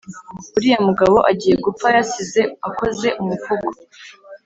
Uriya mugabo agiye gupfa yasize akoze umuvugo